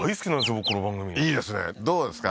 僕この番組いいですねどうですか？